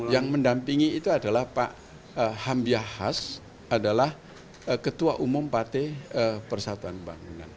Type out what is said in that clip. yang mendampingi itu adalah pak hambiahas adalah ketua umum partai persatuan pembangunan